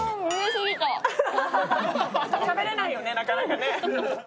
しゃべれないよね、なかなかね。